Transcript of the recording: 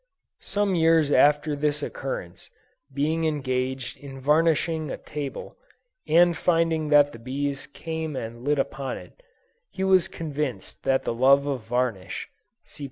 Some years after this occurrence, being engaged in varnishing a table, and finding that the bees came and lit upon it, he was convinced that the love of varnish, (see p.